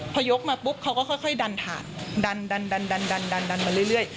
พอยกมาปุ๊บเขาก็ค่อยค่อยดันถาดดันดันดันดันดันดันดันดันมาเรื่อยเรื่อย